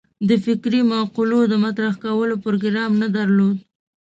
د فکري مقولو د مطرح کولو پروګرام نه درلود.